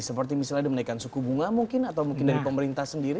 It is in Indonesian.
seperti misalnya menaikkan suku bunga mungkin atau mungkin dari pemerintah sendiri